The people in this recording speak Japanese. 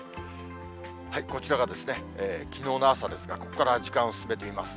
こちらがですね、きのうの朝ですが、ここから時間を進めていきます。